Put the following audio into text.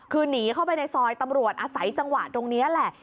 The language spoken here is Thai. คือหนีเข้าไปในซอยตำรวจอาศัยจังหวะตรงนี้แหละ